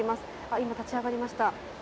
今、立ち上がりました。